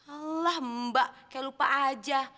alhamdulillah mbak kayak lupa aja